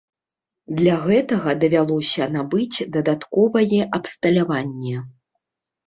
Для гэтага давялося набыць дадатковае абсталяванне.